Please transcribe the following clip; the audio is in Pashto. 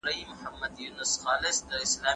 چي یوازي بڼه یې بدله سوې ده، نور ماهیت یې د